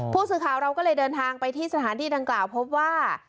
ผู้สื่อข่าวเราก็เลยเดินทางไปที่สถานที่ดังกล่าวพบว่า